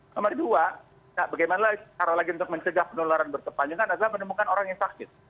nomor dua bagaimana cara lagi untuk mencegah penularan berkepanjangan adalah menemukan orang yang sakit